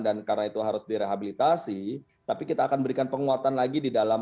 karena itu harus direhabilitasi tapi kita akan berikan penguatan lagi di dalam